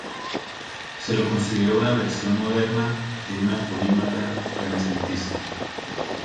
Se lo consideró una versión moderna de un polímata renacentista.